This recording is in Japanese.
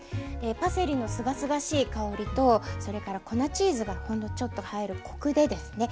パセリのすがすがしい香りとそれから粉チーズがほんのちょっと入るコクでですね